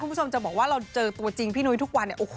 คุณผู้ชมจะบอกว่าเราเจอตัวจริงพี่นุ้ยทุกวันเนี่ยโอ้โห